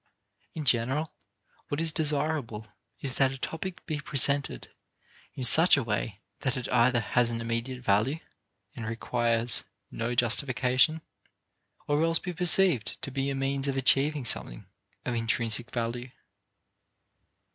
In general what is desirable is that a topic be presented in such a way that it either have an immediate value, and require no justification, or else be perceived to be a means of achieving something of intrinsic value.